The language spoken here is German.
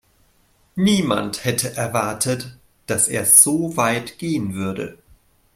Niemand hätte erwartet, dass er so weit gehen würde.